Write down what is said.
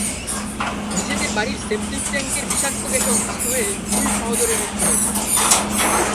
নিজেদের বাড়ির সেপটিক ট্যাংকের বিষাক্ত গ্যাসে অসুস্থ হয়ে দুই সহোদরের মৃত্যু হয়েছে।